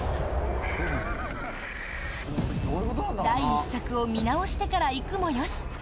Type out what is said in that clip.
第一作を見直してから行くもよし。